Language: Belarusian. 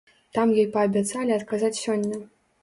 Там ёй паабяцалі адказаць сёння.